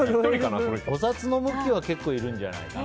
お札の向きは結構いるんじゃないかな。